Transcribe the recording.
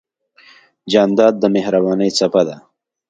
جانداد د مهربانۍ څپه ده.